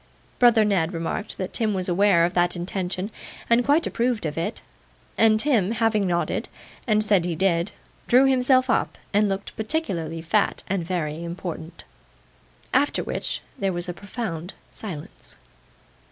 Brother Ned remarked that Tim was aware of that intention, and quite approved of it; and Tim having nodded, and said he did, drew himself up and looked particularly fat, and very important. After which, there was a profound silence.